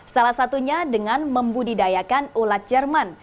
salah satunya dengan membudidayakan ulat jerman